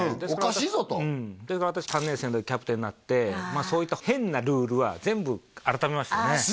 おかしいぞとそれから私３年生のときキャプテンになってそういった変なルールは全部改めましたよね